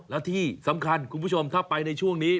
แล้วที่สำคัญคุณผู้ชมถ้าไปในช่วงนี้